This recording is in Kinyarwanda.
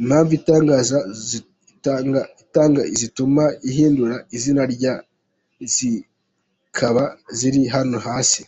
Impamvu atanga zituma ahindura izina rye zikaba ziri hano hasi:.